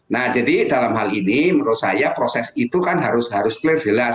nah jadi dalam hal ini menurut saya proses itu kan harus clear jelas